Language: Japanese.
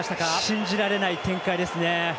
信じられない展開ですね。